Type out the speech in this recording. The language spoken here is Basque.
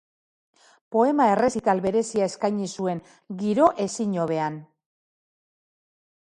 Poema errezital berezia eskaini zuen, giro ezin hobean.